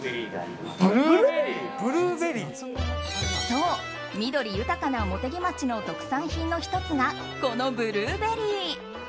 そう、緑豊かな茂木町の特産品の１つがこのブルーベリー。